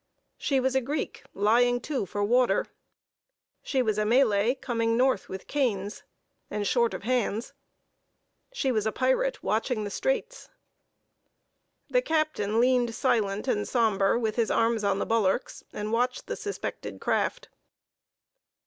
She was a Greek lying to for water: she was a Malay coming north with canes, and short of hands: she was a pirate watching the Straits. The captain leaned silent and sombre with his arms on the bulwarks, and watched the suspected craft.